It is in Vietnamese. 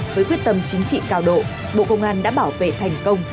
với quyết tâm chính trị cao độ bộ công an đã bảo vệ thành công